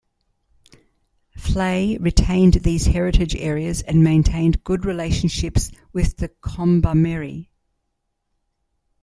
Fleay retained these heritage areas, and maintained good relationships with the Kombumerri.